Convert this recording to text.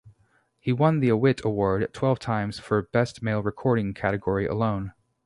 He won the Awit Award twelve times for "Best Male Recording" category alone.